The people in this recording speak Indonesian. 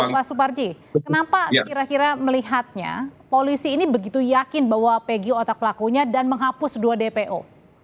pak suparji kenapa kira kira melihatnya polisi ini begitu yakin bahwa pegio otak pelakunya dan menghapus dua dpo